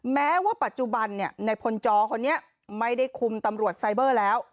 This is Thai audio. แม้ว่าปัจจุบันในพลจอคนนี้ไม่ได้คุมตำรวจไซเบอร์แล้ว